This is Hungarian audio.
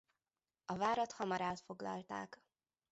A várat hamar elfoglalták.